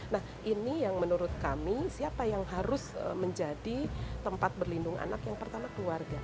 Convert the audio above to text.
nah ini yang menurut kami siapa yang harus menjadi tempat berlindung anak yang pertama keluarga